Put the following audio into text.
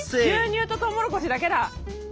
牛乳とトウモロコシだけだ！